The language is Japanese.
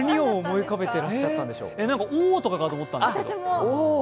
「おー」とかかと思ったんですけど。